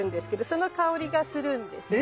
その香りがするんですね。